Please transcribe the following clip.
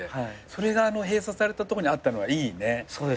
それが閉鎖されたとこにあったのはいいね。